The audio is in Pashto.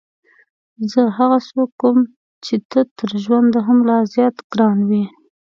زه هغه څوک وم چې ته تر ژونده هم لا زیات ګران وې.